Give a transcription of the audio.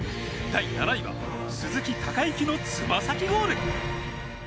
第７位は鈴木隆行のつま先ゴール。